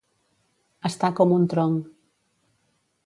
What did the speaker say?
Estar com un tronc.